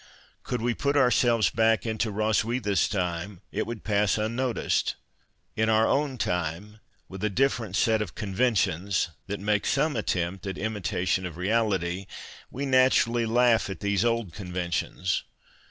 Could we put ourselves back into Hroswitha's time, it would pass unnoticed. In our own time, with a different set of " conventions," that make some attempt at imitation of reality, we 240 HROSWITHA naturally laugh at these old conventions.